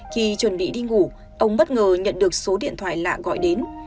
khi chuẩn bị đi ngủ ông bất ngờ nhận được số điện thoại lạ gọi đến